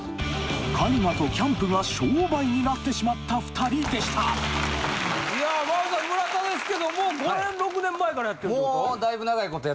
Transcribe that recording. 絵画とキャンプが商売になってしまった２人でしたいやまずは村田ですけども５年６年前からやってるってこと？